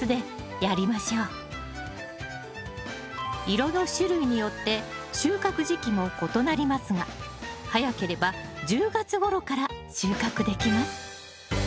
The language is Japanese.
色の種類によって収穫時期も異なりますが早ければ１０月ごろから収穫できます